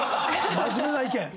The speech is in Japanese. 真面目な意見。